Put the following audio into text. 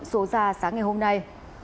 số ra sáng ngày hôm nay